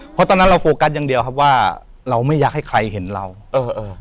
เพราะตอนนั้นเราโฟกัสอย่างเดียวครับว่าเราไม่อยากให้ใครเห็นเราเออเออ